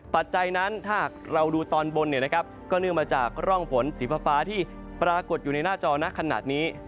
ปัจจัยนั้นถ้าหากเราดูตอนบนก็เนื่องมาจากร่องฝนสีฟ้าที่ปรากฏอยู่ในหน้าจอนะขนาดนี้